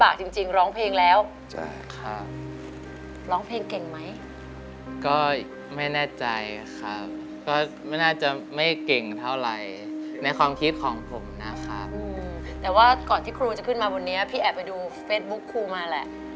แต่ว่าก่อนที่ครูจะขึ้นมาบนนี้พี่แอบไปดูเฟซบุ๊คครูมาแหละ